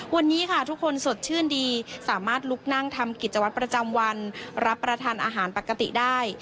วันนี้ค่ะทุกคนสดชื่นดีสามารถลุกนั่งทำกิจวัตรประจำวันรับประทานอาหารปกติได้